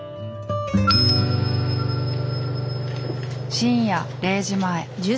深夜０時前。